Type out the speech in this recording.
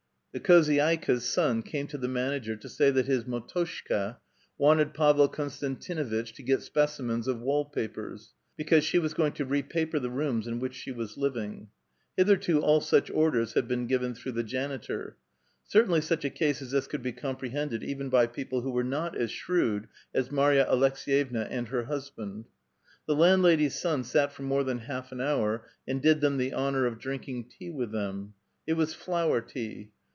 The khozydika's son came to the manager to say that his mdtnshka wanted Pavel Konstantinuitch to get specimens of wall papers, because she was going to re paper the rooms in which she was living. Hitherto all such orders had been given through the janitor. Ceitainh' such a case as this could be comprehended even by people who were not as shrewd as Marya Aleks^yevna and her husband. The land lady's son sat for more than half an hour and did them the honor of drinking tea with them. It was flower tea.